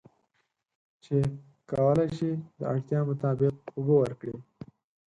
چې کولی شي د اړتیا مطابق اوبه ورکړي.